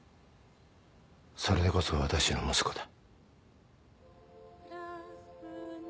それでこそ私の息子だ。